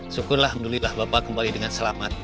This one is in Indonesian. syukurlah alhamdulillah bapak kembali dengan selamat